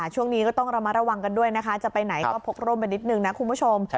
ช่วงนี้ก็ต้องระมัดระวังกันด้วยนะคะจะไปไหนก็พกร่มไปนิดนึงนะคุณผู้ชม